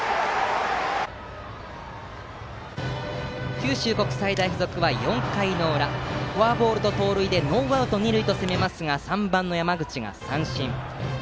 九州国際大付属は４回の裏フォアボールと盗塁でノーアウト二塁と攻めますが３番、山口が三振。